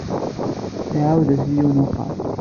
Iɛawed-as i yiwen n wexxam.